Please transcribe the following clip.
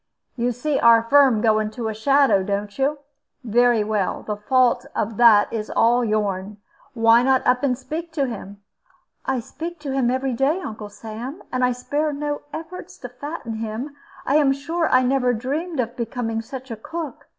You see our Firm going to a shadow, don't you? Very well; the fault of that is all yourn. Why not up and speak to him?" "I speak to him every day, Uncle Sam, and I spare no efforts to fatten him. I am sure I never dreamed of becoming such a cook.